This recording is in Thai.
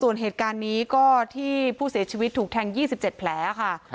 ส่วนเหตุการณ์นี้ก็ที่ผู้เสียชีวิตถูกแทง๒๗แผลค่ะ